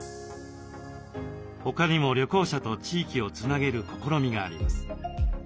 他にも旅行者と地域をつなげる試みがあります。